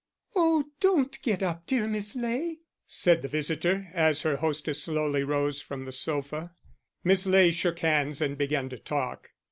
"Oh, don't get up, dear Miss Ley," said the visitor, as her hostess slowly rose from the sofa. Miss Ley shook hands and began to talk.